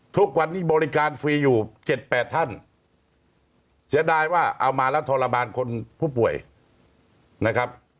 ทุกวันนี้บริการฟรีอยู่๗๘ท่านเสียดายว่าเอามาแล้วทรมานคนผู้ป่วยนะครับ